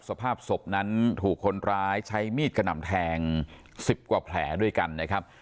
สภาพศพนั้นถูกคนร้ายใช้มีดกระหน่ำแทง๑๐กว่าแผลด้วยกันนะครับ